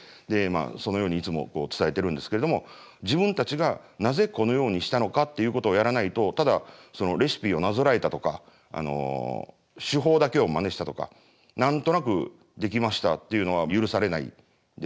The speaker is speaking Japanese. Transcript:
そのようにいつも伝えてるんですけれども自分たちがなぜこのようにしたのかっていうことをやらないとただそのレシピをなぞらえたとか手法だけをマネしたとか何となく出来ましたっていうのは許されないですよね。